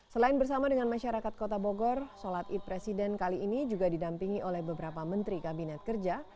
selain bersama dengan masyarakat kota bogor sholat id presiden kali ini juga didampingi oleh beberapa menteri kabinet kerja